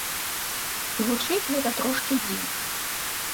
Гучыць гэта трошкі дзіўна.